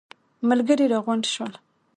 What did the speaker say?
ملګري راغونډ شول.